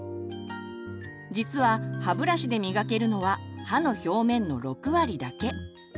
実は歯ブラシで磨けるのは歯の表面の６割だけ。